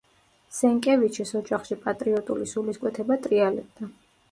სენკევიჩის ოჯახში პატრიოტული სულისკვეთება ტრიალებდა.